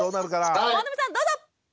本並さんどうぞ！